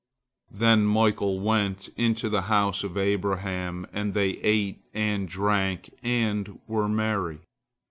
Then Michael went into the house of Abraham, and they ate and drank and were merry.